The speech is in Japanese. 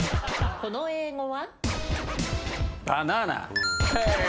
この英語は？